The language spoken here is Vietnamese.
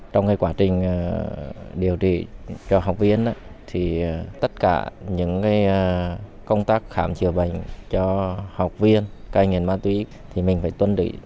trong cái quá trình điều trị cho học viên á thì tất cả những cái công tác khám chữa bệnh cho học viên cai nghiện ma túy thì mình phải tuân trị